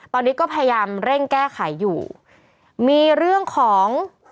ตอนนี้ก็พยายามเร่งแก้ไขอยู่มีเรื่องของ